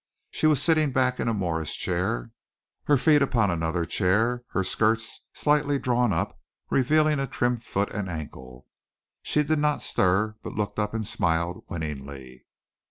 She was sitting back in a Morris chair, her feet upon another chair, her skirts slightly drawn up revealing a trim foot and ankle. She did not stir but looked up and smiled winningly.